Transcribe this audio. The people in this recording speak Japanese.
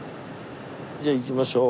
じゃあ行きましょう。